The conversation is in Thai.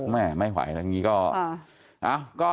แม่ไม่ไหวแล้ว